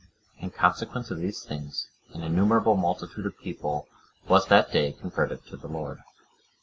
(95) In consequence of these things, an innumerable multitude of people was that day converted to the Lord.